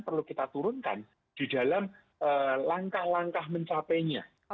perlu kita turunkan di dalam langkah langkah mencapainya